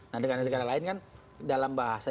nah negara negara lain kan dalam bahasa